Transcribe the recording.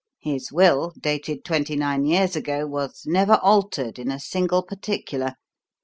His will, dated twenty nine years ago, was never altered in a single particular.